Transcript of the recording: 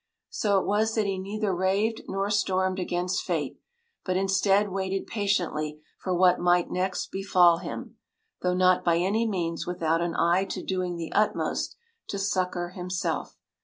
So it was that he neither raved nor stormed against fate, but instead waited patiently for what might next befall him, though not by any means without an eye to doing the utmost to succour himself.